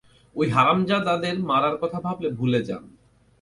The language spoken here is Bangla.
ওই হারামজাদাদের মারার কথা ভাবলে, ভুলে যান।